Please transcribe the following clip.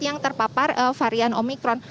yang terpapar varian omikron